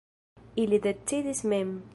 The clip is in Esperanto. Ili decidis mem.